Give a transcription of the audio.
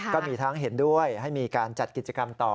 ก็มีทั้งเห็นด้วยให้มีการจัดกิจกรรมต่อ